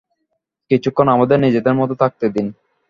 কিছুক্ষণ আমাদের নিজেদের মতো থাকতে দিন।